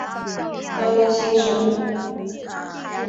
道路新城。